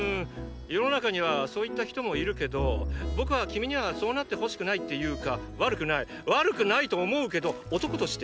世の中にはそういった人もいるけど僕は君にはそうなってほしくないっていうか悪くない悪くないと思うけど男として？